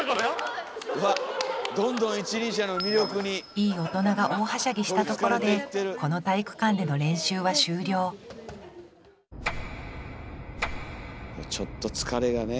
いい大人が大はしゃぎしたところでこの体育館での練習は終了ちょっと疲れがね。